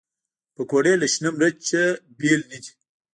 پکورې له شنه مرچ نه بېل نه دي